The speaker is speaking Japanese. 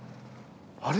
あれ？